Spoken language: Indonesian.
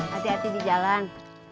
hati hati di jalan